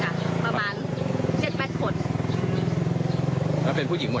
โทรตามค่ะทีแรกกำนันโทรไปเขาไม่รับ